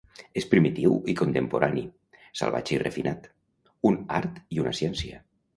És primitiu i contemporani, salvatge i refinat, un art i una ciència.